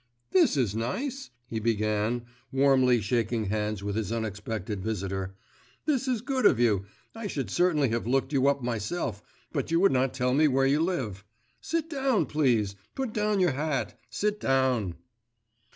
'This is nice!' he began, warmly shaking hands with his unexpected visitor, 'this is good of you! I should certainly have looked you up myself, but you would not tell me where you live. Sit down, please, put down your hat. Sit down.